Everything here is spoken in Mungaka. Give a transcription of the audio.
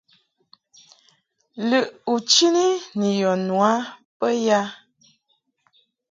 Lɨʼ u chini ni yɔ nu a bə ya ?